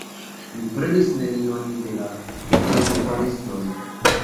mi prenis nenion de la karbofaristoj!